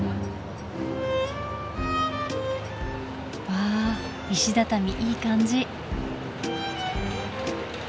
わあ石畳いい感じ。